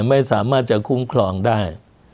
ไม่สามารถจะคุ้มครองได้